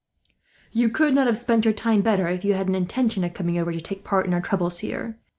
"You could not have spent your time better, if you had an intention of coming over to take part in our troubles here.